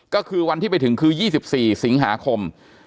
ก็คือวันที่ไปถึงคือ๒๔สิงหาคม